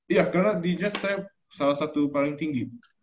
iya karena di jets saya salah satu paling tinggi